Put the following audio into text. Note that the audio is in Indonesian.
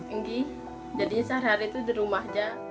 iya jadinya sehari hari itu di rumah aja